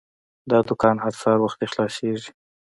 دا دوکان هر سهار وختي خلاصیږي.